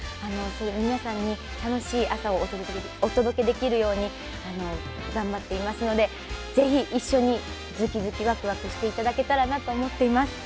皆さんに楽しい朝をお届けできるように頑張っていますので、ぜひ一緒にずきずきわくわくしていただけたらなと思っています。